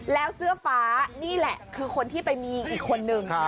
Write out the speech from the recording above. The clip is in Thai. แล้วเสื้อฟ้านี่แหละคือคนที่ไปมีอีกคนนึง